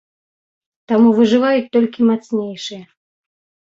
Таму выжываюць толькі мацнейшыя.